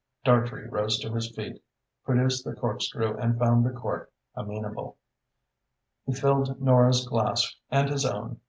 Dartrey rose to his feet, produced the corkscrew and found the cork amenable. He filled Nora's glass and his own.